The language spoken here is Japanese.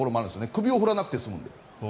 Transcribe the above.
首を振らなくて済むので。